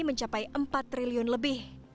mencapai empat triliun lebih